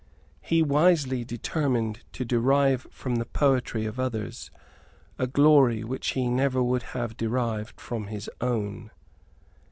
He wisely determined to derive from the poetry of others a glory which he never would have derived from his own.